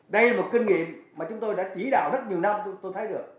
đây là một kinh nghiệm mà chúng tôi đã chỉ đạo rất nhiều năm chúng tôi thấy được